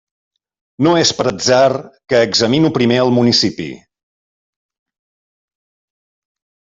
No és per atzar que examino primer el municipi.